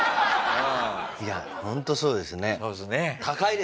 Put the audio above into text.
いやホントそうですね。